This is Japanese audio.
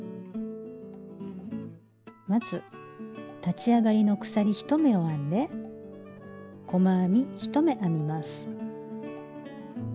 まず立ち上がりの鎖１目を編んで細編み１目編みます。